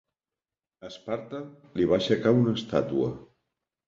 Esparta li va aixecar una estàtua.